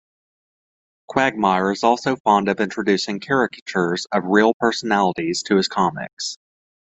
Quagmire is also fond of introducing caricatures of real personalities to his comics.